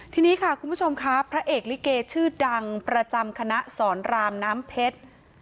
ทีนี้ค่ะคุณผู้ชมครับพระเอกลิเกชื่อดังประจำคณะสอนรามน้ำเพชร